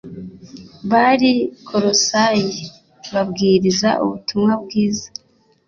bari i Kolosayi babwiriza ubutumwa bwiza